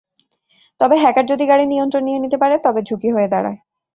তবে হ্যাকার যদি গাড়ির নিয়ন্ত্রণ নিয়ে নিতে পারে, তবে ঝুঁকি হয়ে দাঁড়ায়।